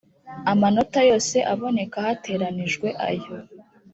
amanota yose aboneka hateranijwe aya